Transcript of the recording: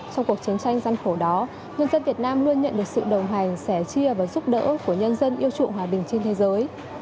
trong cuộc chiến tranh gian khổ đó nhân dân việt nam luôn nhận được sự đồng hành sẻ chia và giúp đỡ của nhân dân yêu trụng hòa bình trên thế giới